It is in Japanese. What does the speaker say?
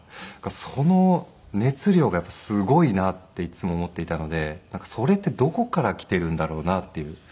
その熱量がすごいなっていつも思っていたのでそれってどこから来ているんだろうなっていう。